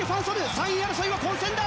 ３位争いは混戦だ！